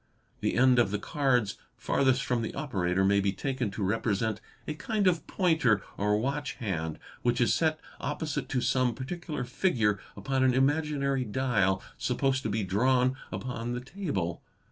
The end of the cards farthest from the operator may be taken to represent a kind of pointer or watch hand, which is set opposite to some particular figure upon an imaginary dial, supposed to be drawn upon the table.